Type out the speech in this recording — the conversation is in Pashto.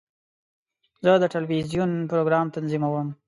زه د ټلویزیون پروګرام تنظیموم.